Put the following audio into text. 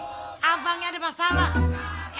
hei reni abangnya ada masalah